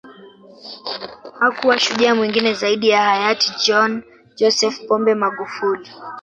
Hakuwa shujaa mwingine zaidi ya hayati John Joseph Pombe Magufuli